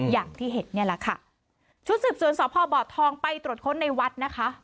อย่างที่เห็นนี่แหละค่ะชุดสิบศูนย์สอบพ่อบ่อทองไปตรวจค้นในวัดนะคะ